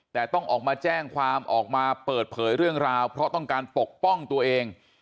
แต่ต้องออกมาแจ้งความออกมาเปิดเผยเรื่องราวเพราะต้องการปกป้องตัวเอง